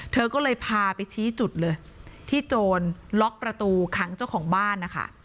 เธอก็เลยพาไปชี้จุดเลยที่โจรล็อกประตูขังเจ้าของบ้านนะคะ